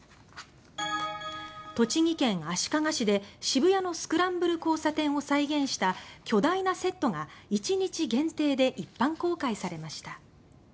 栃木県足利市で、渋谷のスクランブル交差点を再現した巨大なセットが１日限定で一般公開されました。